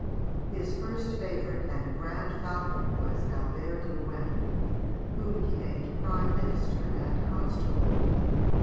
His first favourite and Grand Falconer was Albert de Luynes, whom he made prime minister and constable.